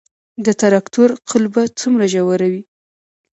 د تراکتور قلبه څومره ژوره وي؟